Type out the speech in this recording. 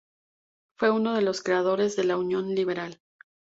Fue uno de los creadores de la Unión Liberal.